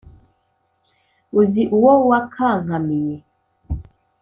Uzi uwo wakankamiye